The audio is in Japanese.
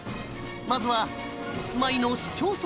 まずはお住まいの市町村